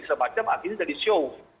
semacam akhirnya jadi show